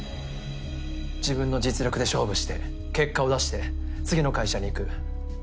自分の実力で勝負して結果を出して次の会社にいく。